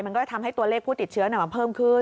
มันก็จะทำให้ตัวเลขผู้ติดเชื้อมันเพิ่มขึ้น